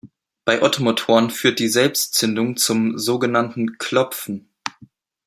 Bei Ottomotoren führt die Selbstzündung zum so genannten Klopfen.